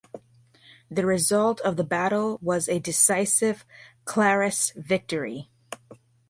The result of the battle was a decisive Carlist victory.